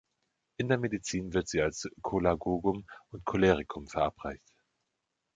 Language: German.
In der Medizin wird sie als Cholagogum und Cholerikum verabreicht.